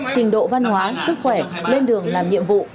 trình độ văn hóa sức khỏe lên đường làm nhiệm vụ